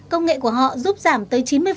công nghệ của họ giúp giảm tới chín mươi